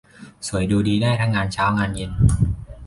สวยดูดีได้ทั้งงานเช้างานเย็น